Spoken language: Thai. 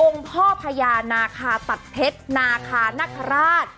พ่อพญานาคาตัดเพชรนาคานคราช